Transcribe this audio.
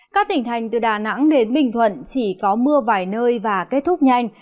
các tỉnh thành từ đà nẵng đến bình thuận chỉ có mưa vài nơi và kết thúc nhanh